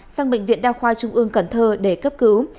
sang bệnh viện đa khoa trung ương cần thơ để cấp cứu